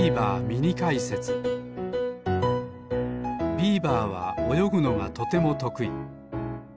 ビーバーはおよぐのがとてもとくい。